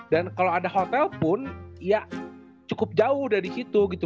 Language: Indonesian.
dan kalo ada hotel pun ya cukup jauh dari situ gitu